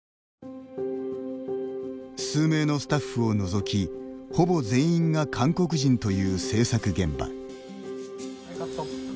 数名のスタッフを除きほぼ全員が韓国人という製作現場。